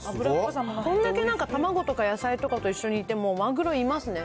これだけ卵とか野菜とかと一緒にいても、マグロいますね。